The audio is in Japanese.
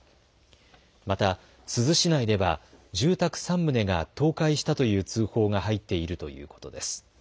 また珠洲市内では住宅３棟が倒壊したという通報が入っているということです。